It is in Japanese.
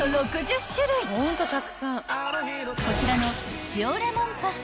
［こちらの］